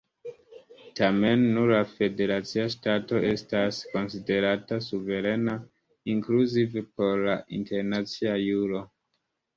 Tamen, nur la federacia ŝtato estas konsiderata suverena, inkluzive por la internacia juro.